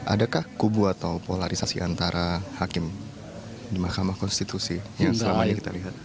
adakah kubu atau polarisasi antara hakim di mahkamah konstitusi yang selama ini kita lihat